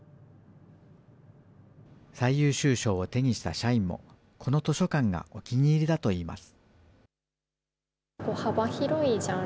最優秀賞を手にした社員も、この図書館がお気に入りだといいます。